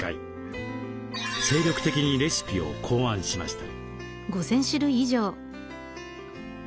精力的にレシピを考案しました。